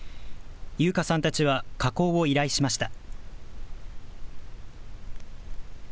悠華さんたちは加工を依頼しました。